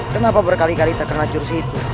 kenapa berkali kali terkena jurus itu